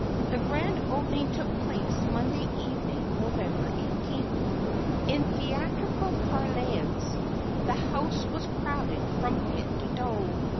The grand opening took place Monday evening, November 18th. In theatrical parlance, the house was crowded from "pit to dome."